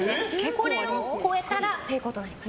これを超えたら成功となります。